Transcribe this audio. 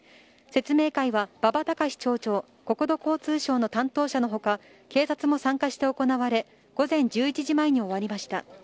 説明会は馬場隆町長、国土交通省の担当者のほか、警察も参加して行われ、午前１１時前に終わりました。